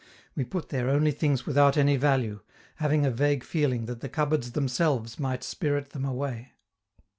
We put there only things without any value, having a vague feeling that the cupboards themselves might spirit them away.